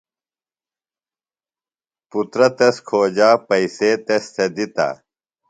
پُترہ تس کھوجا پیئسے تس تھےۡ دِتہ۔